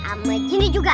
sama gini juga